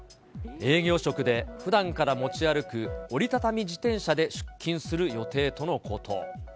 営業職でふだんから持ち歩く折り畳み自転車で出勤する予定とのこと。